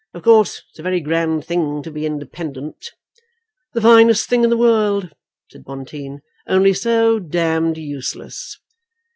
Of course it's a very grand thing to be independent." "The finest thing in the world," said Bonteen; "only so d d useless."